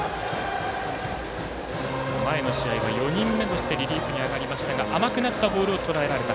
前の試合は４人目としてリリーフで上がりましたが甘くなったボールをとらえられた。